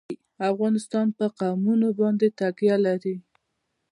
افغانستان په قومونه باندې تکیه لري.